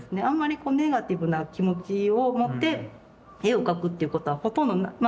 あんまりネガティブな気持ちを持って絵を描くっていうことはほとんど。